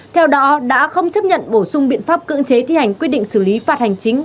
theo đó đã không chấp nhận bổ sung biện pháp cưỡng chế thi hành quyết định xử lý phạt hành chính